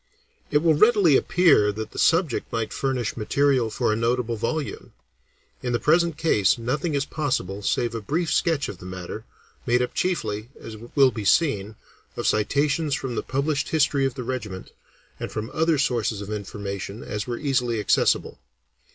It will readily appear that the subject might furnish material for a notable volume. In the present case nothing is possible save a brief sketch of the matter, made up chiefly, as will be seen, of citations from the published history of the regiment, and from such other sources of information as were easily accessible.